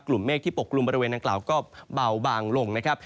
เมฆที่ปกลุ่มบริเวณดังกล่าวก็เบาบางลงนะครับ